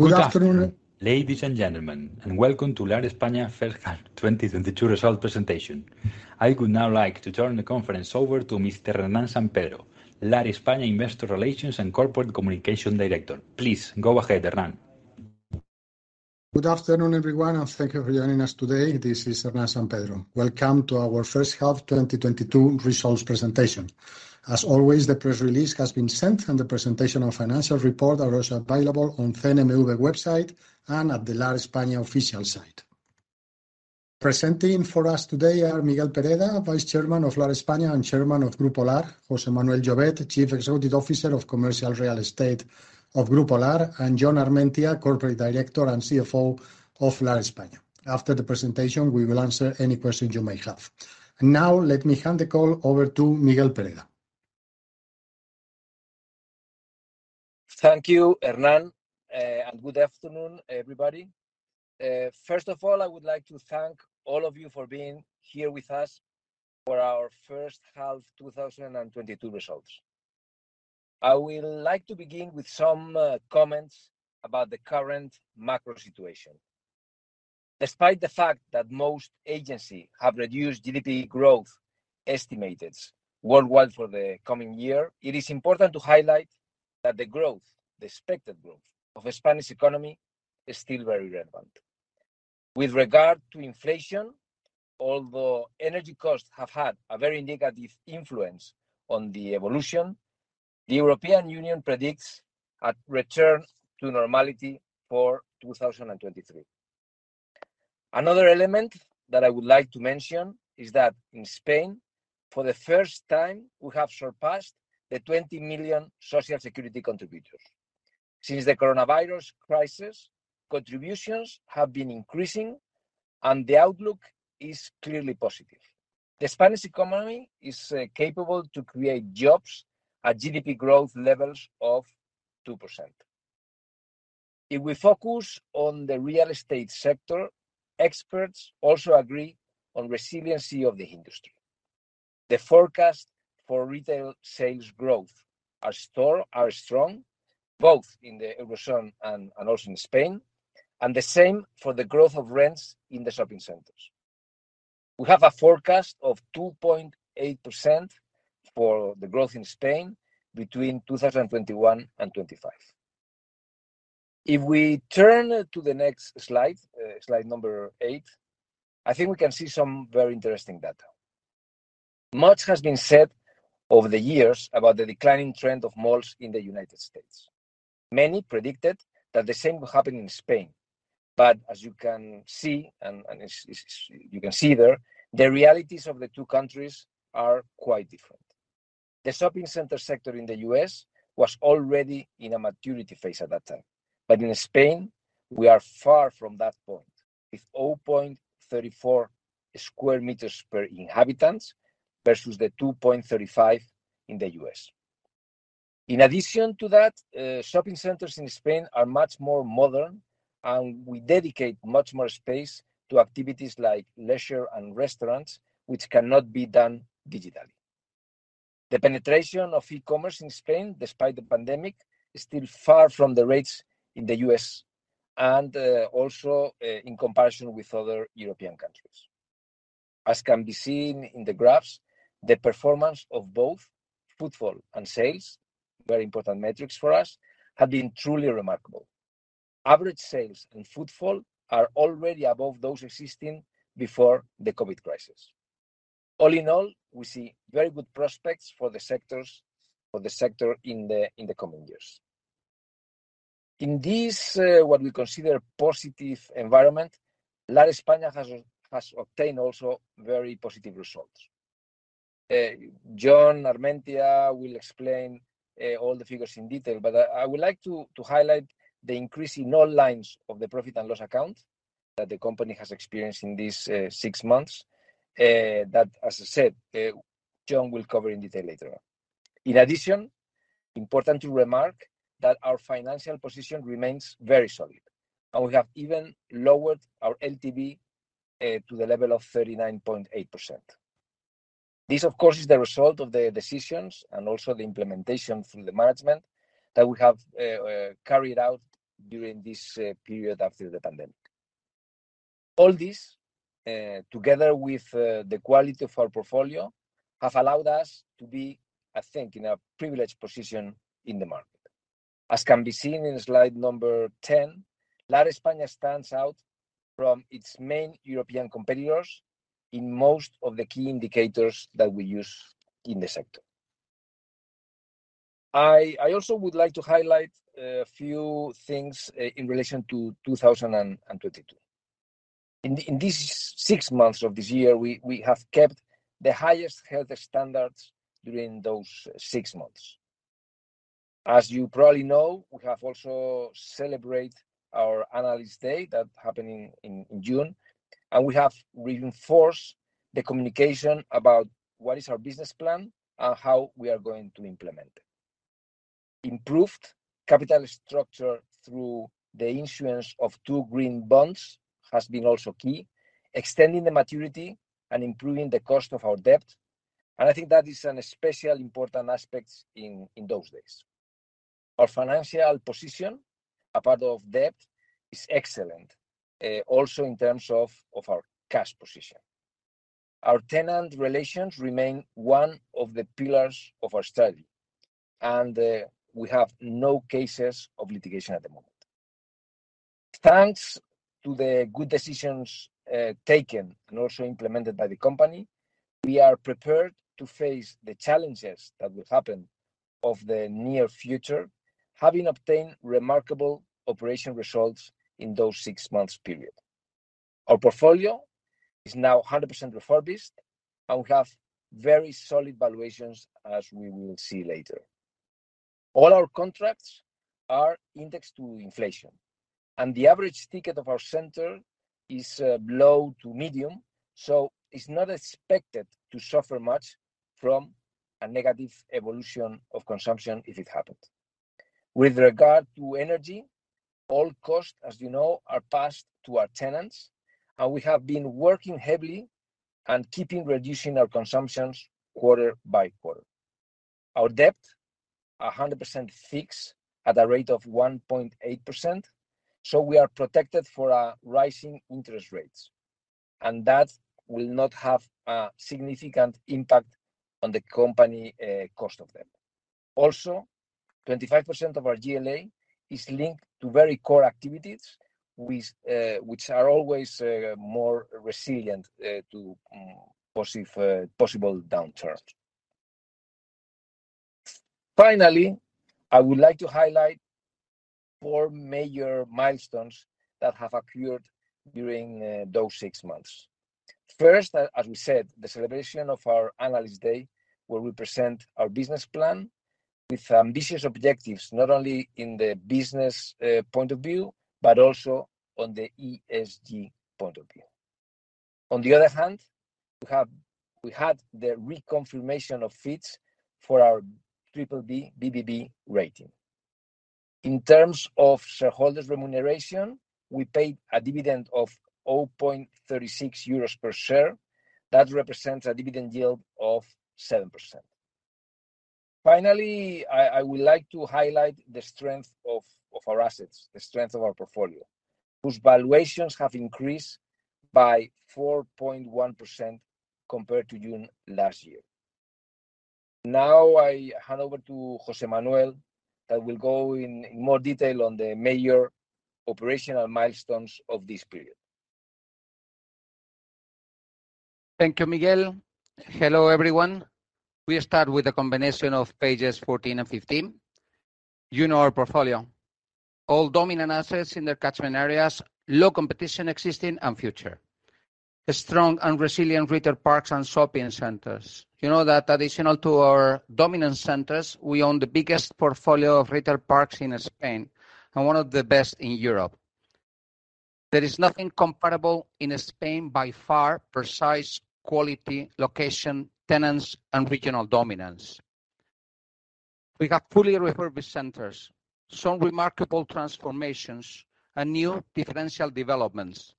Good afternoon, ladies and gentlemen, and welcome to Lar España first half 2022 result presentation. I would now like to turn the conference over to Mr. Hernán San Pedro, Lar España Investor Relations and Corporate Communication Director. Please go ahead, Hernán. Good afternoon, everyone, and thank you for joining us today. This is Hernán San Pedro. Welcome to our first half 2022 results presentation. As always, the press release has been sent and the presentation of financial report are also available on website and at the Lar España official site. Presenting for us today are Miguel Pereda, Vice Chairman of Lar España and Chairman of Grupo Lar, José Manuel Llovet, Chief Executive Officer of Commercial Real Estate of Grupo Lar, and Jon Armentia, Corporate Director and CFO of Lar España. After the presentation, we will answer any questions you may have. Now, let me hand the call over to Miguel Pereda. Thank you, Hernán, and good afternoon, everybody. First of all, I would like to thank all of you for being here with us for our first half 2022 results. I will like to begin with some comments about the current macro situation. Despite the fact that most agency have reduced GDP growth estimated worldwide for the coming year, it is important to highlight that the growth, the expected growth of the Spanish economy is still very relevant. With regard to inflation, although energy costs have had a very negative influence on the evolution, the European Union predicts a return to normality for 2023. Another element that I would like to mention is that in Spain, for the first time, we have surpassed the 20 million social security contributors. Since the coronavirus crisis, contributions have been increasing and the outlook is clearly positive. The Spanish economy is capable to create jobs at GDP growth levels of 2%. If we focus on the real estate sector, experts also agree on resiliency of the industry. The forecast for retail sales growth are strong, both in the Eurozone and also in Spain, and the same for the growth of rents in the shopping centers. We have a forecast of 2.8% for the growth in Spain between 2021 and 2025. If we turn to the next slide number eight, I think we can see some very interesting data. Much has been said over the years about the declining trend of malls in the United States. Many predicted that the same would happen in Spain. As you can see there, the realities of the two countries are quite different. The shopping center sector in the U.S. was already in a maturity phase at that time. In Spain, we are far from that point, with 0.34 sq m per inhabitants versus the 2.35 in the U.S. In addition to that, shopping centers in Spain are much more modern, and we dedicate much more space to activities like leisure and restaurants, which cannot be done digitally. The penetration of e-commerce in Spain, despite the pandemic, is still far from the rates in the U.S. and also in comparison with other European countries. As can be seen in the graphs, the performance of both footfall and sales, very important metrics for us, have been truly remarkable. Average sales and footfall are already above those existing before the COVID crisis. All in all, we see very good prospects for the sector in the coming years. In this what we consider positive environment, Lar España has obtained also very positive results. Jon Armentia will explain all the figures in detail, but I would like to highlight the increase in all lines of the profit and loss account that the company has experienced in these six months. That, as I said, Jon will cover in detail later on. In addition, important to remark that our financial position remains very solid, and we have even lowered our LTV to the level of 39.8%. This, of course, is the result of the decisions and also the implementation from the management that we have carried out during this period after the pandemic. All this, together with the quality of our portfolio, have allowed us to be, I think, in a privileged position in the market. As can be seen in slide number 10, Lar España stands out from its main European competitors in most of the key indicators that we use in the sector. I also would like to highlight a few things in relation to 2022. In these six months of this year, we have kept the highest health standards during those six months. As you probably know, we have also celebrated our Analyst Day that happened in June, and we have reinforced the communication about what is our business plan and how we are going to implement it. Improved capital structure through the issuance of two green bonds has also been key. Extending the maturity and improving the cost of our debt. I think that is a special important aspect in those days. Our financial position, apart from debt, is excellent, also in terms of our cash position. Our tenant relations remain one of the pillars of our strategy, and we have no cases of litigation at the moment. Thanks to the good decisions taken and also implemented by the company, we are prepared to face the challenges that will happen in the near future, having obtained remarkable operational results in that six months period. Our portfolio is now 100% refurbished, and we have very solid valuations as we will see later. All our contracts are indexed to inflation, and the average ticket of our center is low to medium, so it's not expected to suffer much from a negative evolution of consumption if it happened. With regard to energy, all costs, as you know, are passed to our tenants, and we have been working heavily and keeping reducing our consumptions quarter by quarter. Our debt, 100% fixed at a rate of 1.8%, so we are protected for our rising interest rates. That will not have a significant impact on the company cost of debt. Also, 25% of our GLA is linked to very core activities with which are always more resilient to possible downturn. Finally, I would like to highlight four major milestones that have occurred during those six months. First, as we said, the celebration of our Analyst Day, where we present our business plan with ambitious objectives, not only in the business point of view, but also on the ESG point of view. On the other hand, we had the reconfirmation of Fitch for our BBB rating. In terms of shareholders remuneration, we paid a dividend of 0.36 euros per share. That represents a dividend yield of 7%. Finally, I would like to highlight the strength of our assets, the strength of our portfolio, whose valuations have increased by 4.1% compared to June last year. Now, I hand over to José Manuel that will go in more detail on the major operational milestones of this period. Thank you, Miguel. Hello, everyone. We start with a combination of pages 14 and 15. You know our portfolio. All dominant assets in their catchment areas, low competition existing and future. A strong and resilient retail parks and shopping centers. You know that additional to our dominant centers, we own the biggest portfolio of retail parks in Spain and one of the best in Europe. There is nothing comparable in Spain by far, precise quality, location, tenants, and regional dominance. We have fully refurbished centers, some remarkable transformations, and new differential developments,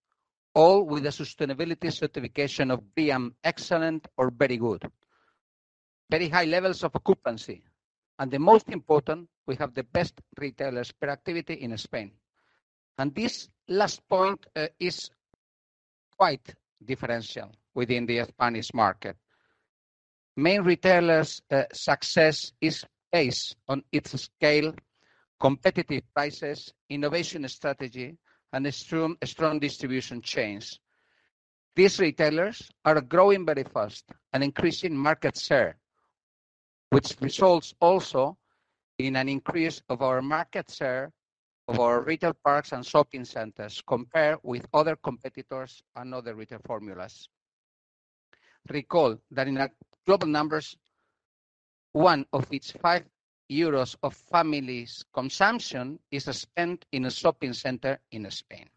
all with a sustainability certification of BREEAM, excellent or very good. Very high levels of occupancy. The most important, we have the best retailers per activity in Spain. This last point is quite differential within the Spanish market. Main retailers' success is based on its scale, competitive prices, innovation strategy, and a strong distribution chains. These retailers are growing very fast and increasing market share, which results also in an increase of our market share of our retail parks and shopping centers compared with other competitors and other retail formulas. Recall that in global numbers, one of every five euros of families' consumption is spent in a shopping center in Spain.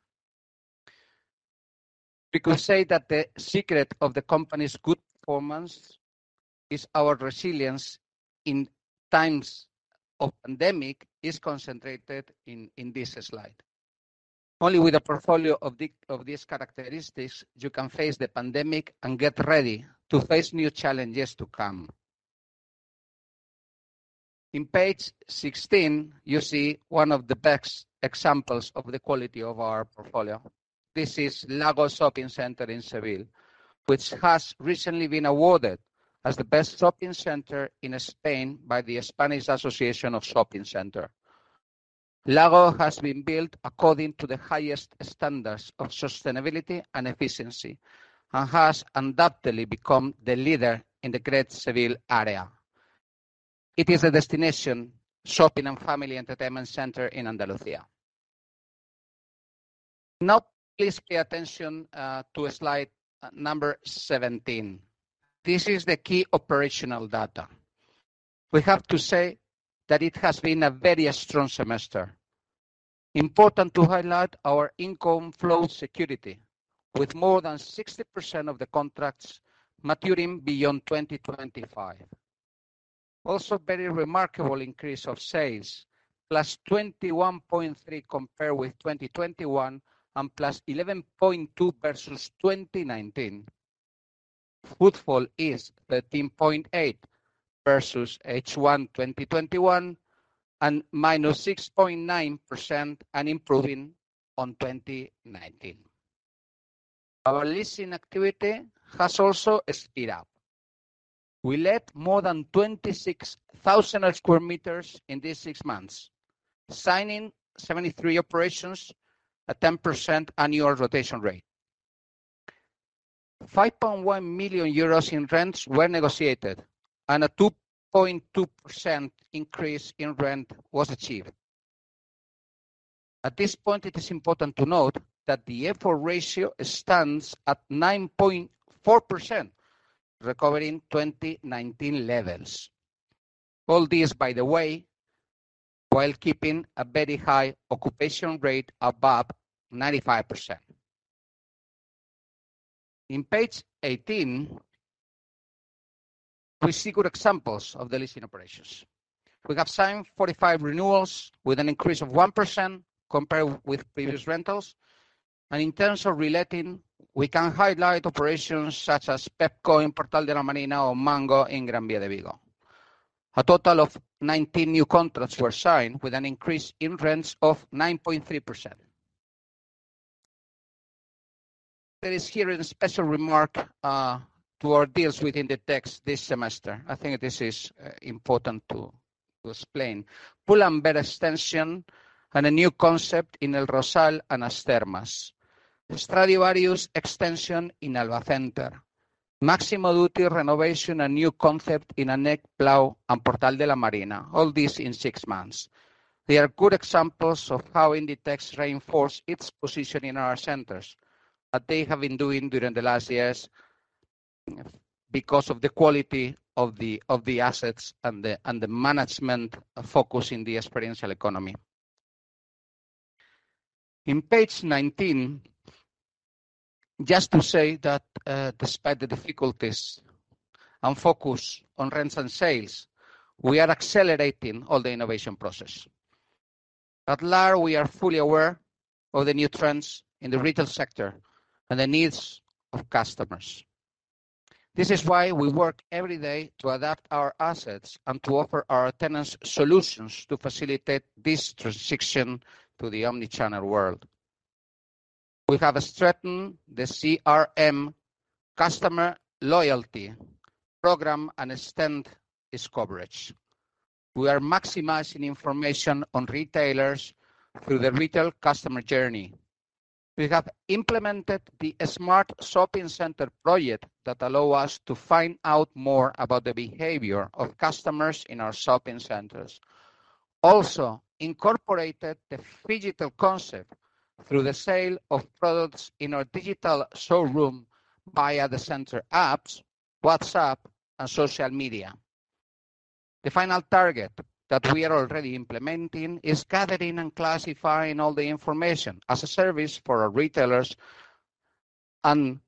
We could say that the secret of the company's good performance is our resilience in times of pandemic, which is concentrated in this slide. Only with a portfolio of these characteristics, you can face the pandemic and get ready to face new challenges to come. On page 16, you see one of the best examples of the quality of our portfolio. This is Lagoh Shopping Center in Seville, which has recently been awarded as the best shopping center in Spain by the Spanish Association of Shopping Centers and Parks. Lagoh has been built according to the highest standards of sustainability and efficiency, and has undoubtedly become the leader in the great Seville area. It is a destination shopping and family entertainment center in Andalusia. Now, please pay attention to slide number 17. This is the key operational data. We have to say that it has been a very strong semester. Important to highlight our income flow security with more than 60% of the contracts maturing beyond 2025. Also very remarkable increase of sales, +21.3% compared with 2021 and +11.2% versus 2019. Footfall is 13.8% versus H1 2021 and -6.9% and improving on 2019. Our leasing activity has also sped up. We let more than 26,000 sq m in these six months, signing 73 operations at 10% annual rotation rate. 5.1 million euros in rents were negotiated, and a 2.2% increase in rent was achieved. At this point, it is important to note that the effort rate stands at 9.4%, recovering 2019 levels. All this, by the way, while keeping a very high occupation rate above 95%. In page 18, we see good examples of the leasing operations. We have signed 45 renewals with an increase of 1% compared with previous rentals. In terms of reletting, we can highlight operations such as Pepco in Portal de la Marina or Mango in Gran Via de Vigo. A total of 19 new contracts were signed with an increase in rents of 9.3%. There is here a special remark to our deals with Inditex this semester. I think this is important to explain. Pull&Bear extension and a new concept in El Rosal and Asturias. Stradivarius extension in Albacenter. Massimo Dutti renovation and new concept in Ànecblau and Portal de la Marina. All these in six months. They are good examples of how Inditex reinforce its position in our centers, that they have been doing during the last years because of the quality of the assets and the management focus in the experiential economy. In page 19, just to say that, despite the difficulties and focus on rents and sales, we are accelerating all the innovation process. At Lar, we are fully aware of the new trends in the retail sector and the needs of customers. This is why we work every day to adapt our assets and to offer our tenants solutions to facilitate this transition to the omnichannel world. We have strengthened the CRM customer loyalty program and extend its coverage. We are maximizing information on retailers through the retail customer journey. We have implemented the smart shopping center project that allow us to find out more about the behavior of customers in our shopping centers. Also, incorporated the phygital concept through the sale of products in our digital showroom via the center apps, WhatsApp, and social media. The final target that we are already implementing is gathering and classifying all the information as a service for our retailers and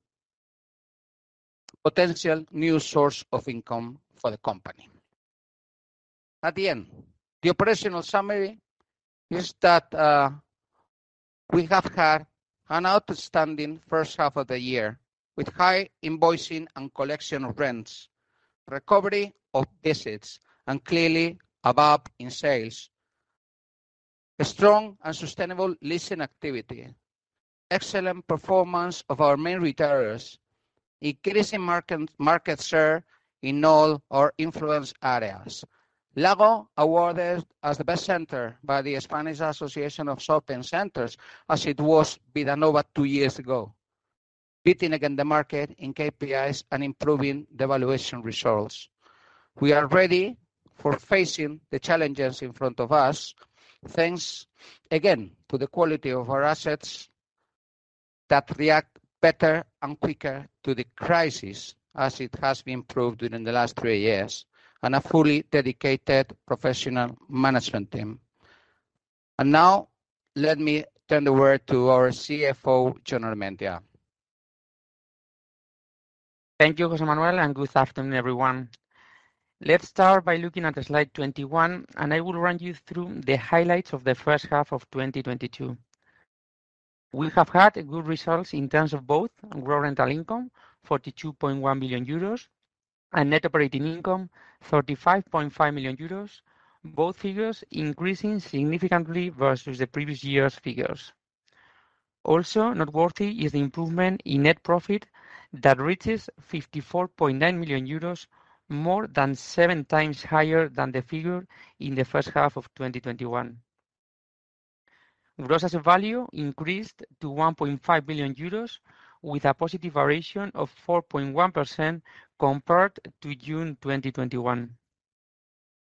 potential new source of income for the company. At the end, the operational summary is that we have had an outstanding first half of the year with high invoicing and collection of rents, recovery of visits, and clearly above in sales. A strong and sustainable leasing activity. Excellent performance of our main retailers. Increasing market share in all our influence areas. Lagoh awarded as the best center by the Spanish Association of Shopping Centers as it was Vidanova two years ago. Beating again the market in KPIs and improving the valuation results. We are ready for facing the challenges in front of us, thanks again to the quality of our assets that react better and quicker to the crisis as it has been proved during the last three years, and a fully dedicated professional management team. Now, let me turn the word to our CFO, Jon Armentia. Thank you, José Manuel, and good afternoon, everyone. Let's start by looking at the slide 21, and I will run you through the highlights of the first half of 2022. We have had good results in terms of both raw rental income, 42.1 million euros, and net operating income, 35.5 million euros, both figures increasing significantly versus the previous year's figures. Also noteworthy is the improvement in net profit that reaches 54.9 million euros, more than seven times higher than the figure in the first half of 2021. Gross asset value increased to 1.5 billion euros with a positive variation of 4.1% compared to June 2021.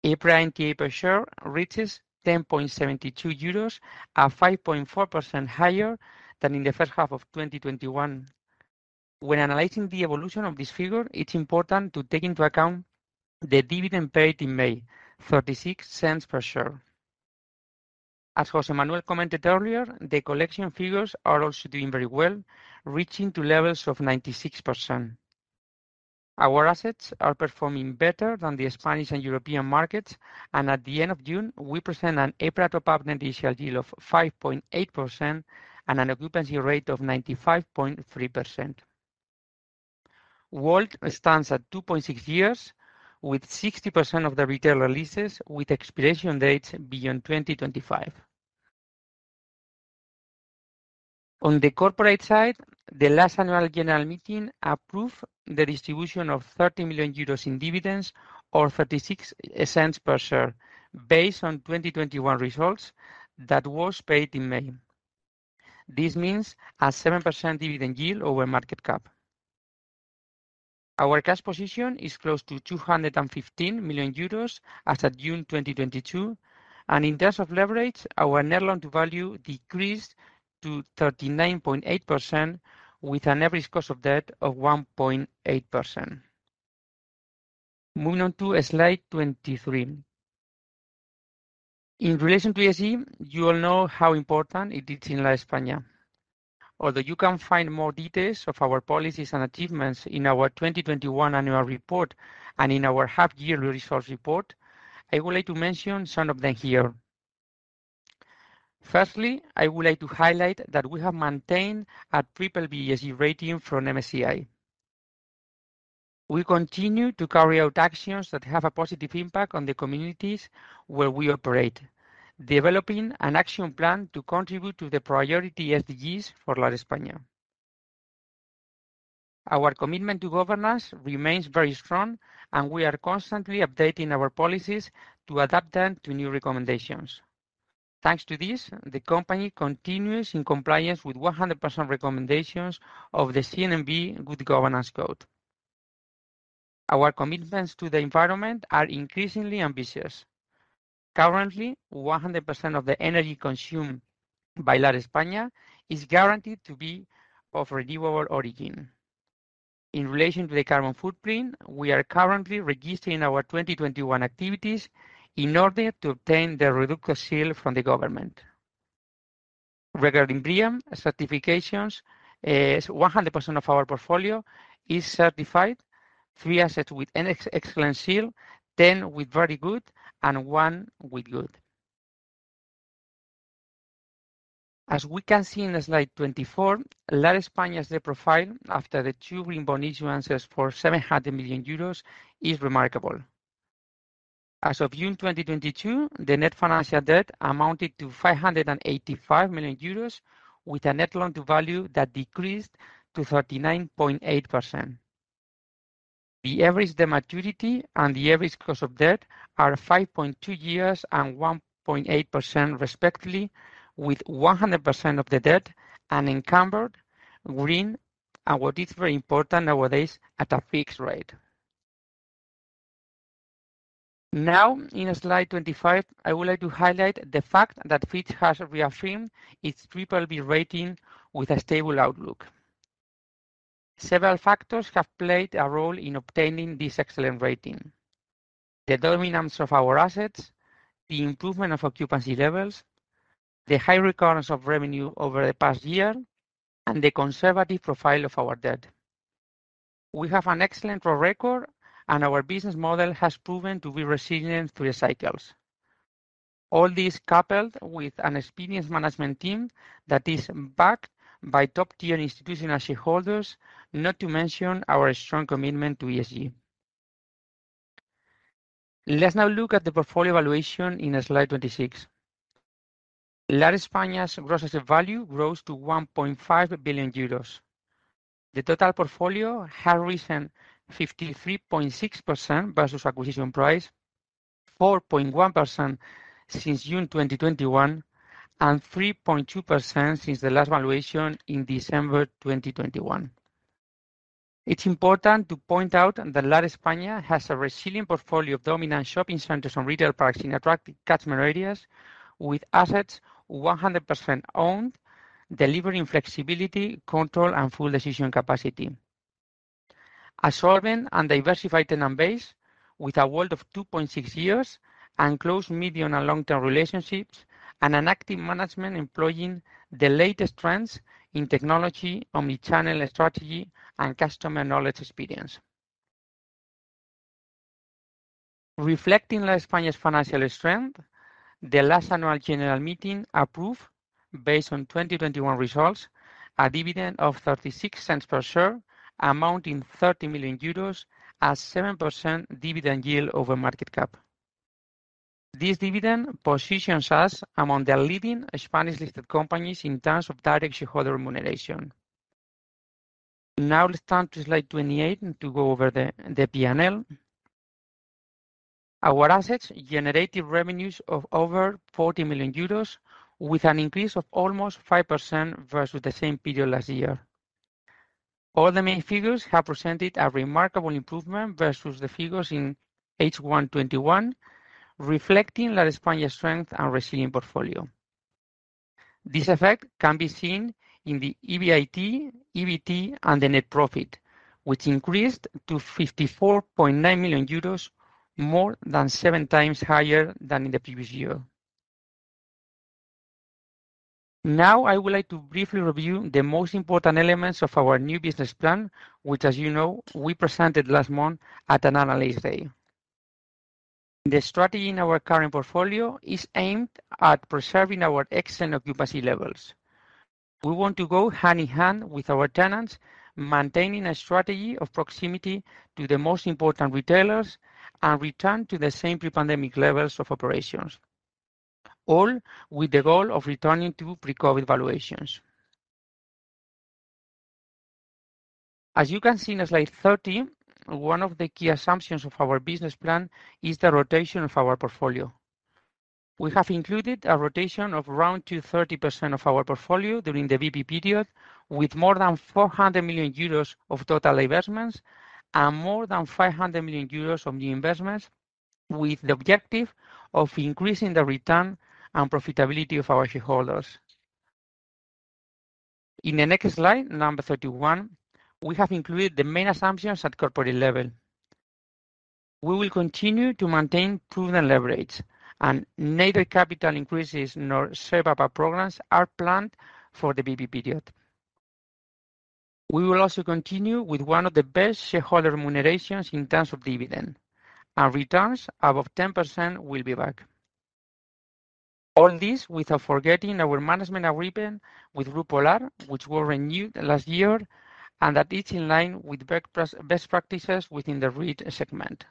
EPRA NTA per share reaches 10.72 euros, at 5.4% higher than in the first half of 2021. When analyzing the evolution of this figure, it's important to take into account the dividend paid in May, 0.36 per share. As José Manuel commented earlier, the collection figures are also doing very well, reaching to levels of 96%. Our assets are performing better than the Spanish and European markets, and at the end of June, we present an EPRA top-up net initial yield of 5.8% and an occupancy rate of 95.3%. WALT stands at 2.6 years, with 60% of the retail leases with expiration dates beyond 2025. On the corporate side, the last annual general meeting approved the distribution of 30 million euros in dividends or 0.36 per share based on 2021 results that was paid in May. This means a 7% dividend yield over market cap. Our cash position is close to 215 million euros as of June 2022, and in terms of leverage, our net loan to value decreased to 39.8% with an average cost of debt of 1.8%. Moving on to slide 23. In relation to ESG, you all know how important it is in Lar España. Although you can find more details of our policies and achievements in our 2021 annual report and in our half-yearly results report, I would like to mention some of them here. Firstly, I would like to highlight that we have maintained a BBB ESG rating from MSCI. We continue to carry out actions that have a positive impact on the communities where we operate, developing an action plan to contribute to the priority SDGs for Lar España. Our commitment to governance remains very strong, and we are constantly updating our policies to adapt them to new recommendations. Thanks to this, the company continues in compliance with 100% recommendations of the CNMV Good Governance Code. Our commitments to the environment are increasingly ambitious. Currently, 100% of the energy consumed by Lar España is guaranteed to be of renewable origin. In relation to the carbon footprint, we are currently registering our 2021 activities in order to obtain the Reduzco seal from the government. Regarding BREEAM certifications, 100% of our portfolio is certified, three assets with an Excellence seal, 10 with Very Good, and one with Good. As we can see in slide 24, Lar España's debt profile after the two green bond issuances for 700 million euros is remarkable. As of June 2022, the net financial debt amounted to 585 million euros, with a net loan to value that decreased to 39.8%. The average maturity and the average cost of debt are 5.2 years and 1.8% respectively, with 100% of the debt unencumbered, green, and what is very important nowadays, at a fixed rate. Now, in slide 25, I would like to highlight the fact that Fitch has reaffirmed its BBB rating with a stable outlook. Several factors have played a role in obtaining this excellent rating. The dominance of our assets, the improvement of occupancy levels, the high recurrence of revenue over the past year, and the conservative profile of our debt. We have an excellent track record, and our business model has proven to be resilient through the cycles. All this coupled with an experienced management team that is backed by top-tier institutional shareholders, not to mention our strong commitment to ESG. Let's now look at the portfolio valuation in slide 26. Lar España's gross asset value grows to 1.5 billion euros. The total portfolio has risen 53.6% versus acquisition price, 4.1% since June 2021, and 3.2% since the last valuation in December 2021. It's important to point out that Lar España has a resilient portfolio of dominant shopping centers and retail parks in attractive customer areas with assets 100% owned, delivering flexibility, control, and full decision capacity. A solvent and diversified tenant base with a WALT of 2.6 years and close medium- and long-term relationships and an active management employing the latest trends in technology, omnichannel strategy, and customer knowledge experience. Reflecting Lar España's financial strength, the last annual general meeting approved, based on 2021 results, a dividend of 0.36 per share, amounting 30 million euros at 7% dividend yield over market cap. This dividend positions us among the leading Spanish-listed companies in terms of direct shareholder remuneration. Now, let's turn to slide 28 and to go over the P&L. Our assets generated revenues of over 40 million euros with an increase of almost 5% versus the same period last year. All the main figures have presented a remarkable improvement versus the figures in H1 2021, reflecting Lar España's strength and resilient portfolio. This effect can be seen in the EBIT, EBT, and the net profit, which increased to 54.9 million euros, more than seven times higher than in the previous year. Now, I would like to briefly review the most important elements of our new business plan, which, as you know, we presented last month at Analyst Day. The strategy in our current portfolio is aimed at preserving our excellent occupancy levels. We want to go hand-in-hand with our tenants, maintaining a strategy of proximity to the most important retailers and return to the same pre-pandemic levels of operations, all with the goal of returning to pre-COVID valuations. As you can see in slide 30, one of the key assumptions of our business plan is the rotation of our portfolio. We have included a rotation of around 230% of our portfolio during the BP period, with more than 400 million euros of total investments and more than 500 million euros of new investments, with the objective of increasing the return and profitability of our shareholders. In the next slide, 31, we have included the main assumptions at corporate level. We will continue to maintain prudent leverage, and neither capital increases nor share buyback programs are planned for the BP period. We will also continue with one of the best shareholder remunerations in terms of dividend, and returns above 10% will be back. All this without forgetting our management agreement with Grupo Lar, which were renewed last year, and that is in line with best practices within the REIT segment.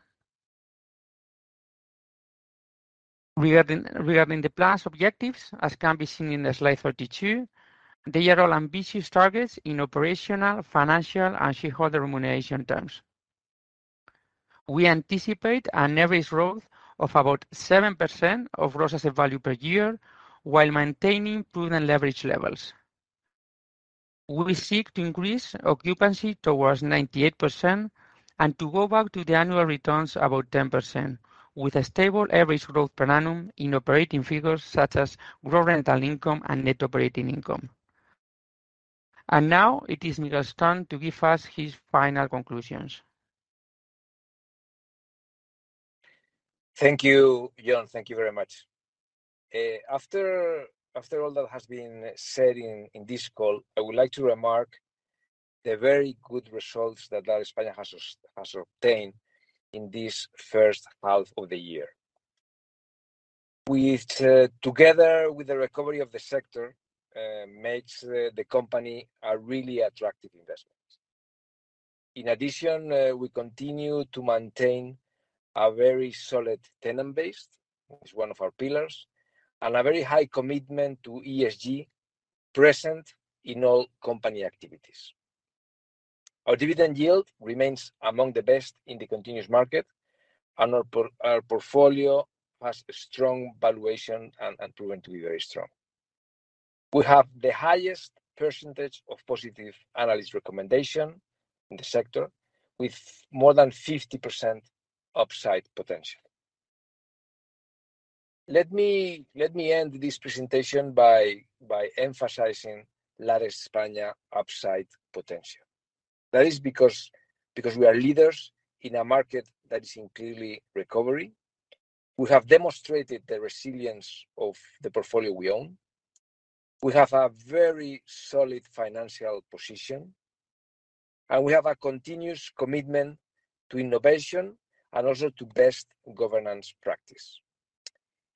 Regarding the plan's objectives, as can be seen in slide 32, they are all ambitious targets in operational, financial, and shareholder remuneration terms. We anticipate an average growth of about 7% of gross asset value per year while maintaining prudent leverage levels. We will seek to increase occupancy towards 98% and to go back to the annual returns above 10%, with a stable average growth per annum in operating figures such as gross rental income and net operating income. Now it is Miguel's turn to give us his final conclusions. Thank you, Jon. Thank you very much. After all that has been said in this call, I would like to remark the very good results that Lar España has obtained in this first half of the year. Together with the recovery of the sector makes the company a really attractive investment. In addition, we continue to maintain a very solid tenant base. It's one of our pillars, and a very high commitment to ESG present in all company activities. Our dividend yield remains among the best in the continuous market, and our portfolio has a strong valuation and proven to be very strong. We have the highest percentage of positive analyst recommendation in the sector with more than 50% upside potential. Let me end this presentation by emphasizing Lar España upside potential. That is because we are leaders in a market that is in clear recovery. We have demonstrated the resilience of the portfolio we own. We have a very solid financial position, and we have a continuous commitment to innovation and also to best governance practice.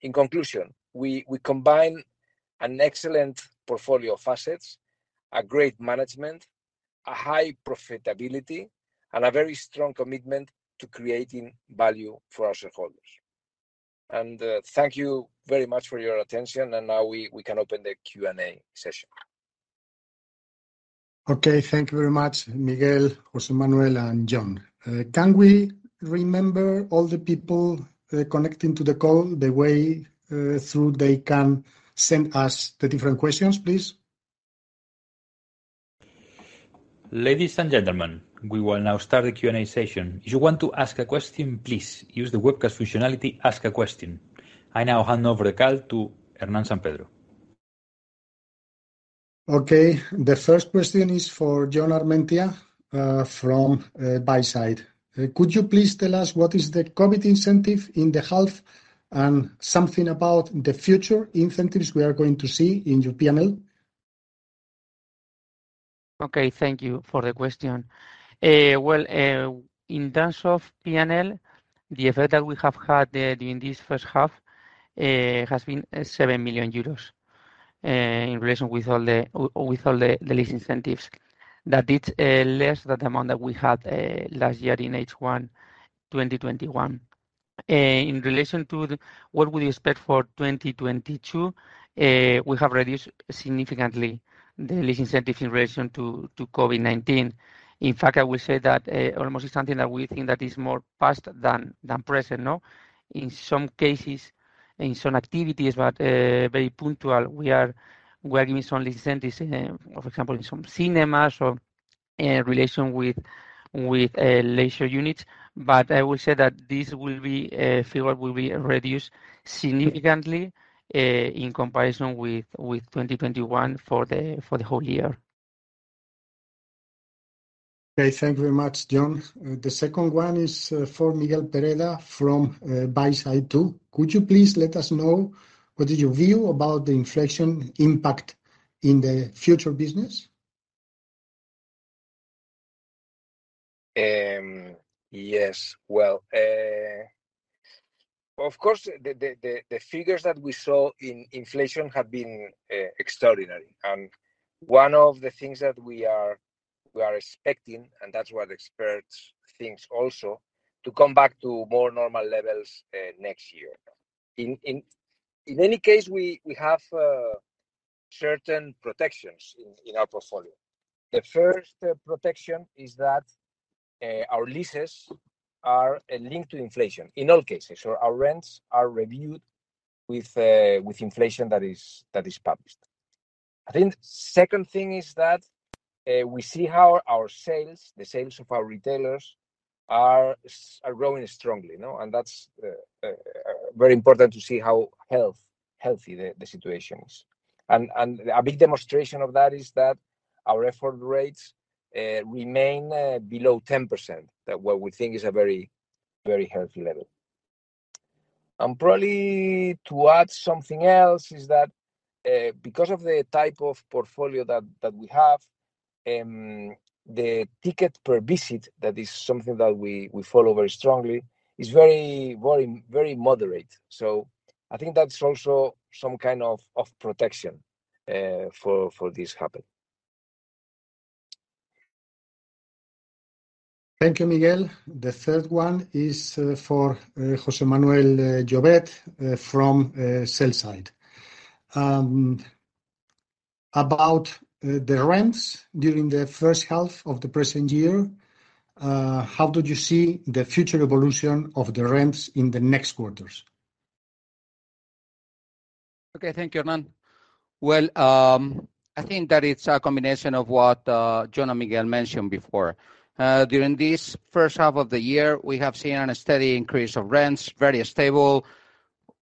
In conclusion, we combine an excellent portfolio of assets, a great management, a high profitability, and a very strong commitment to creating value for our shareholders. Thank you very much for your attention, and now we can open the Q&A session. Okay. Thank you very much, Miguel, José Manuel, and Jon. Can we remind all the people connecting to the call the way through which they can send us the different questions, please? Ladies and gentlemen, we will now start the Q&A session. If you want to ask a question, please use the webcast functionality Ask a Question. I now hand over the call to Hernán San Pedro. Okay. The first question is for Jon Armentia from Buy Side. Could you please tell us what is the COVID incentive in the half and something about the future incentives we are going to see in your P&L? Okay. Thank you for the question. Well, in terms of P&L, the effect that we have had during this first half has been 7 million euros in relation with all the lease incentives. That is less than the amount that we had last year in H1 2021. In relation to what we expect for 2022, we have reduced significantly the lease incentive in relation to COVID-19. In fact, I will say that almost is something that we think that is more past than present, no? In some cases, in some activities, but very punctual, we are working with some lease incentives, for example, in some cinemas or in relation with leisure units. I will say that figure will be reduced significantly in comparison with 2021 for the whole year. Okay. Thank you very much, Jon. The second one is for Miguel Pereda from Buy Side too. Could you please let us know what is your view about the inflation impact in the future business? Yes. Well, of course, the figures that we saw in inflation have been extraordinary. One of the things that we are expecting, and that's what experts thinks also, to come back to more normal levels next year. In any case, we have certain protections in our portfolio. The first protection is that our leases are linked to inflation in all cases. Our rents are reviewed with inflation that is published. I think second thing is that we see how our sales, the sales of our retailers are growing strongly, you know. That's very important to see how healthy the situation is. A big demonstration of that is that our effort rates remain below 10%. That's what we think is a very healthy level. Probably to add something else is that, because of the type of portfolio that we have, the ticket per visit, that is something that we follow very strongly, is very moderate. I think that's also some kind of protection for this to happen. Thank you, Miguel. The third one is for José Manuel Llovet from sell side. About the rents during the first half of the present year, how did you see the future evolution of the rents in the next quarters? Okay. Thank you, Hernán. Well, I think that it's a combination of what Jon and Miguel mentioned before. During this first half of the year, we have seen a steady increase of rents, very stable.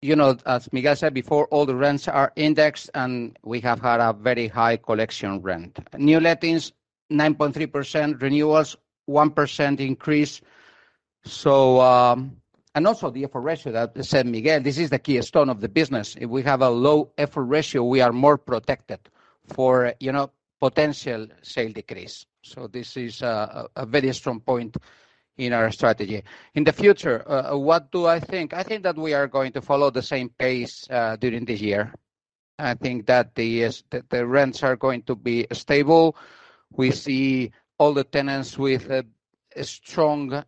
You know, as Miguel said before, all the rents are indexed, and we have had a very high collection rate. New lettings, 9.3%, renewals 1% increase. Also the effort rate that Miguel said, this is the keystone of the business. If we have a low effort rate, we are more protected from, you know, potential sales decrease. This is a very strong point in our strategy. In the future, what do I think? I think that we are going to follow the same pace during the year. I think that the rents are going to be stable. We see all the tenants with strong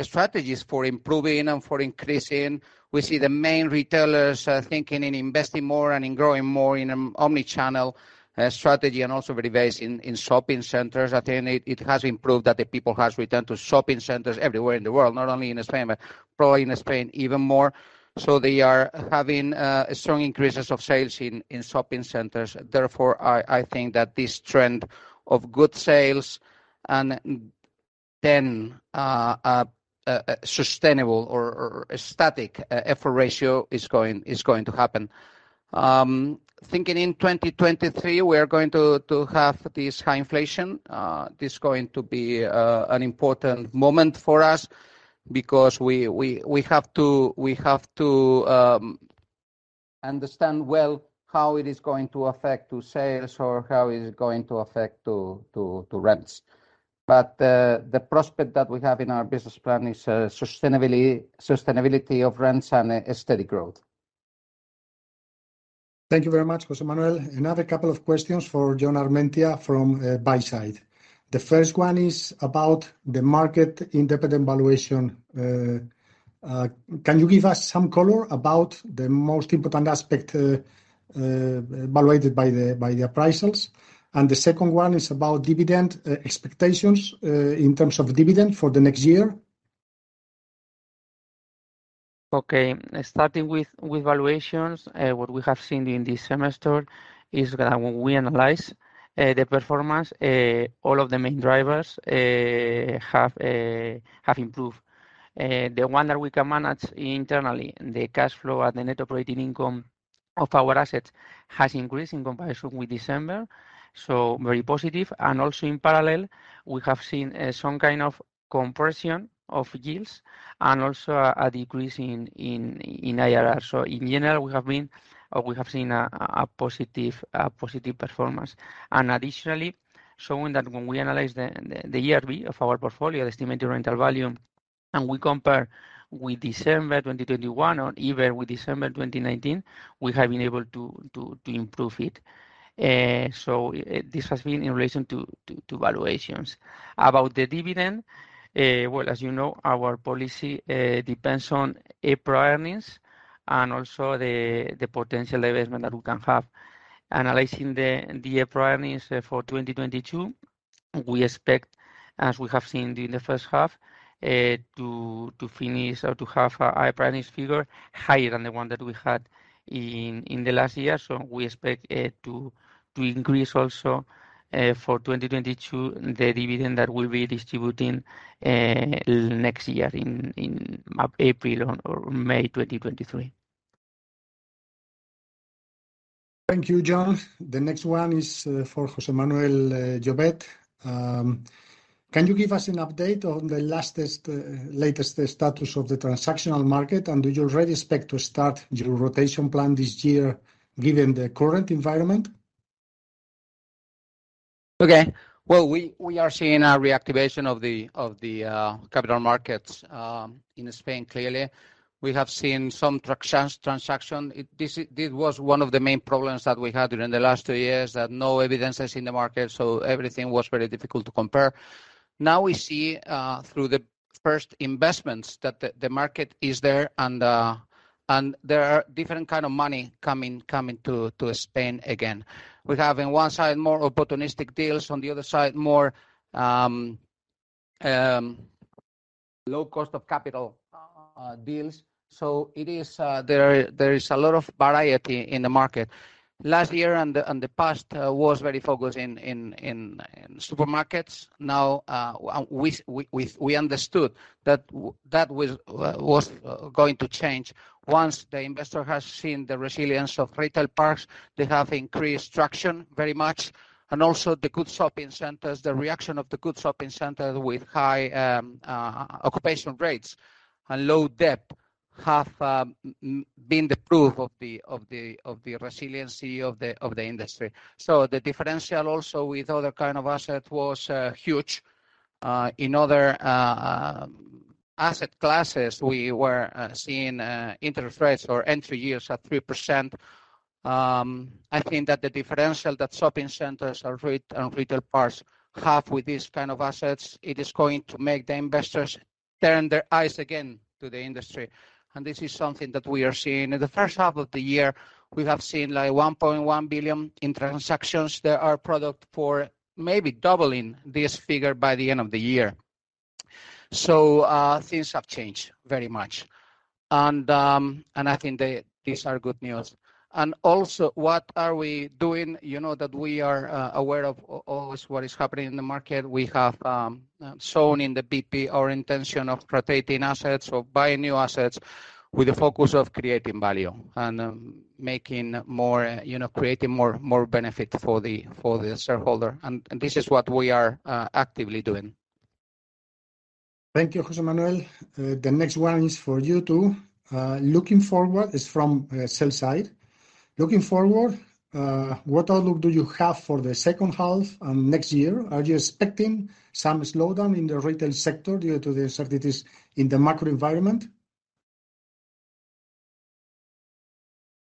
strategies for improving and for increasing. We see the main retailers are thinking in investing more and in growing more in omnichannel strategy, and also very based in shopping centers. I think it has improved that the people has returned to shopping centers everywhere in the world, not only in Spain, but probably in Spain even more. They are having strong increases of sales in shopping centers. Therefore, I think that this trend of good sales and then sustainable or static effort rate is going to happen. Thinking in 2023, we are going to have this high inflation. This is going to be an important moment for us because we have to understand well how it is going to affect to sales or how it's going to affect to rents. The prospect that we have in our business plan is sustainability of rents and a steady growth. Thank you very much, José Manuel. Another couple of questions for Jon Armentia from Buy Side. The first one is about the market independent valuation. Can you give us some color about the most important aspect evaluated by the appraisals? The second one is about dividend expectations in terms of dividend for the next year. Okay. Starting with valuations, what we have seen in this semester is that when we analyze the performance, all of the main drivers have improved. The one that we can manage internally, the cash flow and the net operating income of our assets has increased in comparison with December. Very positive. Also in parallel, we have seen some kind of compression of yields and also a decrease in IRR. In general, we have seen a positive performance. Additionally, showing that when we analyze the ERV of our portfolio, estimated rental value, and we compare with December 2021 or even with December 2019, we have been able to improve it. This has been in relation to valuations. About the dividend, well, as you know, our policy depends on EBITDA earnings and also the potential investment that we can have. Analyzing the EBITDA earnings for 2022, we expect, as we have seen during the first half, to finish or to have a brighter figure higher than the one that we had in the last year. We expect to increase also for 2022, the dividend that we'll be distributing next year in April or May 2023. Thank you, John. The next one is for José Manuel Llovet. Can you give us an update on the latest status of the transactional market? Do you already expect to start your rotation plan this year given the current environment? Okay. Well, we are seeing a reactivation of the capital markets in Spain, clearly. We have seen some transactions. This was one of the main problems that we had during the last two years, that no evidence in the market, so everything was very difficult to compare. Now we see through the first investments that the market is there, and there are different kind of money coming to Spain again. We're having, on one side, more opportunistic deals, on the other side, more low cost of capital deals. There is a lot of variety in the market. Last year and the past was very focused in supermarkets. Now we understood that that was going to change. Once the investor has seen the resilience of retail parks, they have increased traction very much. Also the good shopping centers, the reaction of the good shopping centers with high occupancy rates and low debt have been the proof of the resiliency of the industry. The differential also with other kind of asset was huge. In other asset classes, we were seeing interest rates or entry yields at 3%. I think that the differential that shopping centers and retail parks have with these kind of assets, it is going to make the investors turn their eyes again to the industry. This is something that we are seeing. In the first half of the year, we have seen, like, 1.1 billion in transactions that are projected for maybe doubling this figure by the end of the year. Things have changed very much. I think these are good news. Also, what are we doing, you know, that we are aware of always what is happening in the market. We have shown in the BP our intention of rotating assets or buying new assets with the focus of creating value and making more, you know, creating more benefit for the shareholder. This is what we are actively doing. Thank you, José Manuel Llovet. The next one is for you too. It's from sell-side. Looking forward, what outlook do you have for the second half and next year? Are you expecting some slowdown in the retail sector due to the uncertainties in the macro environment?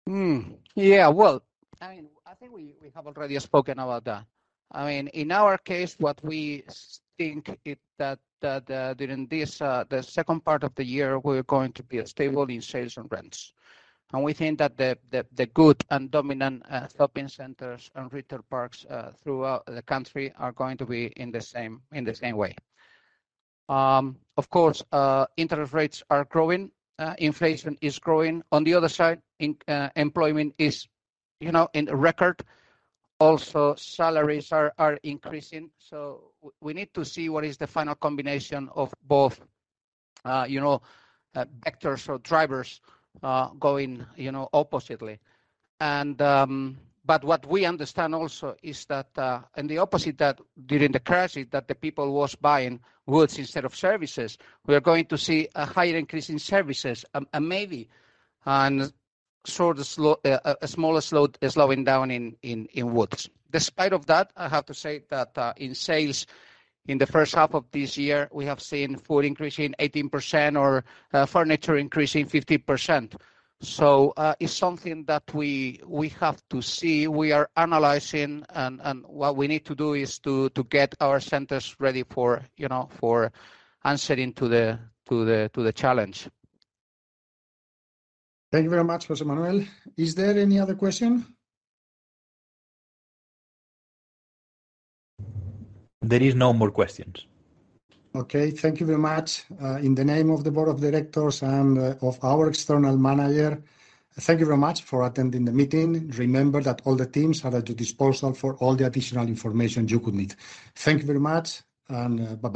Well, I mean, I think we have already spoken about that. I mean, in our case, what we think is that during this the second part of the year, we're going to be stable in sales and rents. We think that the good and dominant shopping centers and retail parks throughout the country are going to be in the same way. Of course, interest rates are growing, inflation is growing. On the other side, employment is, you know, in a record. Also, salaries are increasing. We need to see what is the final combination of both, you know, vectors or drivers going, you know, oppositely. But what we understand also is that, in the opposite that during the crisis that the people was buying goods instead of services, we are going to see a higher increase in services and maybe a smaller slowing down in goods. Despite of that, I have to say that, in sales, in the first half of this year, we have seen food increasing 18% or furniture increasing 50%. It's something that we have to see, we are analyzing, and what we need to do is to get our centers ready for, you know, answering to the challenge. Thank you very much, José Manuel. Is there any other question? There is no more questions. Okay. Thank you very much. In the name of the board of directors and of our external manager, thank you very much for attending the meeting. Remember that all the teams are at your disposal for all the additional information you could need. Thank you very much, and bye-bye.